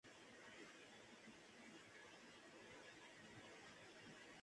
En la Jurisdicción Sanitaria V, de la Secretaría de Salud de Guanajuato.